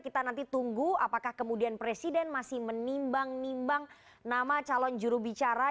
kita nanti tunggu apakah kemudian presiden masih menimbang nimbang nama calon jurubicara